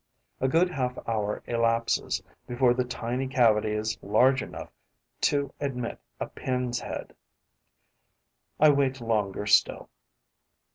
A good half hour elapses before the tiny cavity is large enough to admit a pin's head. I wait longer still.